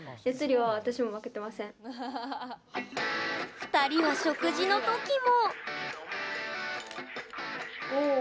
２人は食事の時も。